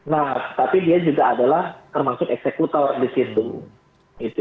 nah tapi dia juga adalah termasuk eksekutor disitu